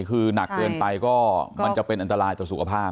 คือหนักเกินไปก็มันจะเป็นอันตรายต่อสุขภาพ